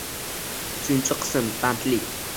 Uchinchi qism. Bandlik